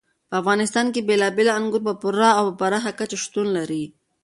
په افغانستان کې بېلابېل انګور په پوره او پراخه کچه شتون لري.